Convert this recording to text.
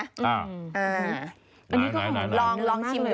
อันนี้คุณผู้ชมลองลองชิมดู